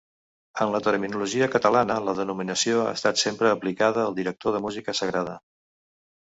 En la terminologia catalana la denominació ha estat sempre aplicada al director de música sagrada.